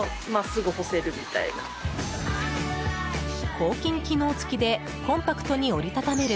抗菌機能付きでコンパクトに折り畳める